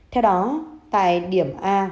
theo đó tại điểm a